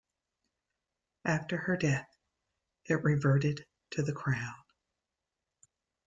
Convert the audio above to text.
After her death, it reverted to the crown.